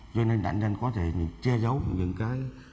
cho nên nạn nhân có thể che giấu những cái